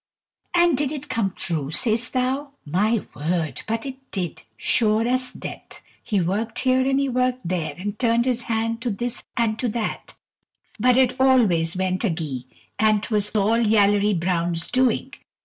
And did it come true, sayst thou? My word! but it did, sure as death! He worked here and he worked there, and turned his hand to this and to that, but it always went agee, and 't was all Yallery Brown's doing.